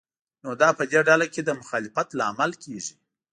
نو دا په دې ډله کې د مخالفت لامل کېږي.